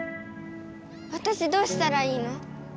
わたしどうしたらいいの？